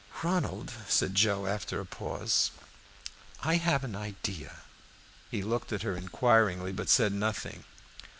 "Ronald," said Joe, after a pause, "I have an idea." He looked at her inquiringly, but said nothing.